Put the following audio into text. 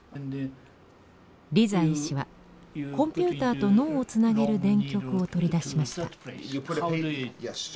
リザイ医師はコンピューターと脳をつなげる電極を取り出しました。